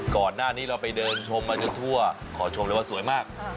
ก่อนหน้านี้เราไปเดินชมมาจนทั่วขอชมเลยว่าสวยมาก